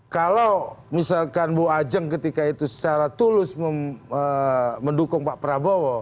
kalau misalkan bu ajeng ketika itu secara tulus mendukung pak prabowo